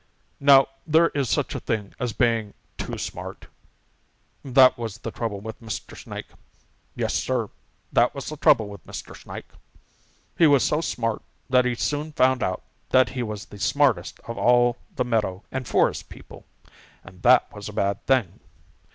Now there is such a thing as being too smart. That was the trouble with Mr. Snake. Yes, Sir, that was the trouble with Mr. Snake. He was so smart that he soon found out that he was the smartest of all the meadow and forest people, and that was a bad thing.